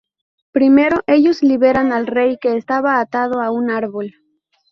Primero, ellos liberan al rey, que estaba atado a un árbol.